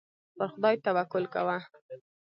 پر خدای توکل کوه.